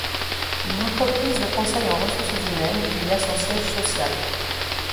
Une entreprise de conseil en ressources humaines y a son siège social.